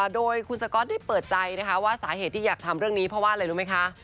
โดยคุณสก๊อตได้เปิดใจนะคะว่าสาเหตุที่อยากทำเรื่องนี้เพราะว่าอะไรรู้ไหมคะ